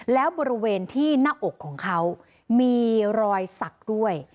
แล้วบริเวณที่หน้าอกของเขามีรอยสักด้วย